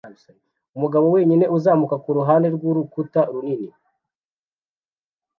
umugabo wenyine uzamuka kuruhande rwurukuta runini